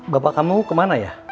bapak kamu kemana ya